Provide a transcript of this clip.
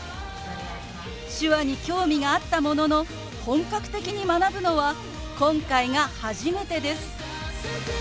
手話に興味があったものの本格的に学ぶのは今回が初めてです。